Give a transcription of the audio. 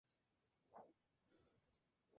Se encuentra únicamente en el sureste de Brasil.